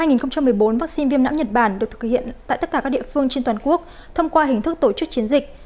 năm hai nghìn một mươi bốn vaccine viêm não nhật bản được thực hiện tại tất cả các địa phương trên toàn quốc thông qua hình thức tổ chức chiến dịch